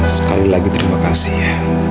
sekali lagi terima kasih ya